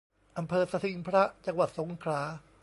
อำเภอสทิงพระ จังหวัดสงขลา